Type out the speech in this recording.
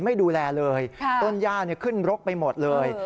ไม่ดูแลเลยต้นย่าขึ้นรกไปหมดเลย